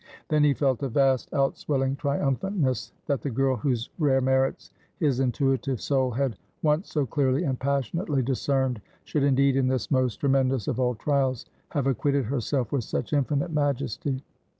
Then he felt a vast, out swelling triumphantness, that the girl whose rare merits his intuitive soul had once so clearly and passionately discerned, should indeed, in this most tremendous of all trials, have acquitted herself with such infinite majesty.